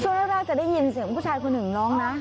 ช่วงแรกจะได้ยินเสียงผู้ชายคนหนึ่งร้องนะ